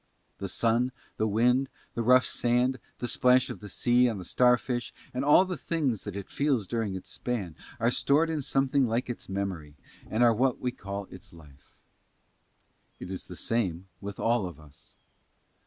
The sun, the wind, the rough sand, the splash of the sea, on the star fish, and all the things that it feels during its span, are stored in something like its memory, and are what we call its life: it is the same with all of us.